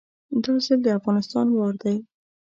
دا ځل د افغانستان وار دی